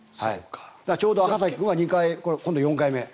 ちょうど赤崎君は２回今度４回目。